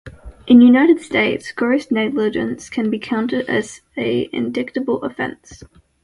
In United States, gross negligence can be counted as a indictable offence.